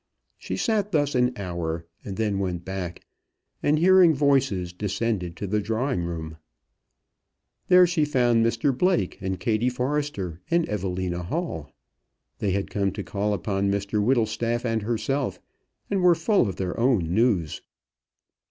She sat thus an hour, and then went back, and, hearing voices, descended to the drawing room. There she found Mr Blake and Kattie Forrester and Evelina Hall. They had come to call upon Mr Whittlestaff and herself, and were full of their own news.